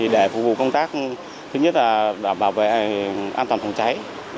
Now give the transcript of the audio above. để phục vụ công tác thứ nhất là bảo vệ an toàn phòng cháy